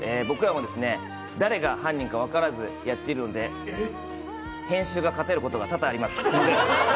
僕らも誰が犯人か分からずやっているので編集が片寄ることが多々あります。